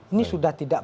ini sudah tidak